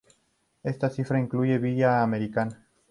Esta cifra incluye "Villa America".